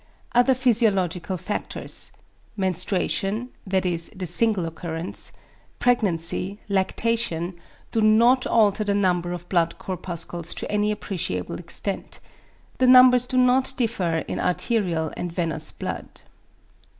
Other physiological factors: =menstruation= (that is, the single occurrence), =pregnancy=, =lactation=, do not alter the number of blood corpuscles to any appreciable extent. The numbers do not differ in arterial and venous blood.